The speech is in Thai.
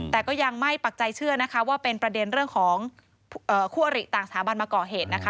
แต่ก็ยังไม่ปักใจเชื่อนะคะว่าเป็นประเด็นเรื่องของคู่อริต่างสถาบันมาก่อเหตุนะคะ